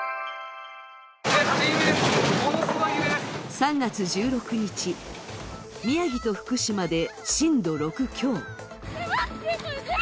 ３月１６日、宮城と福島で震度６強。